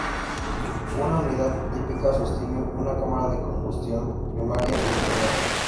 Una unidad típica contiene una cámara de combustión primaria y secundaria.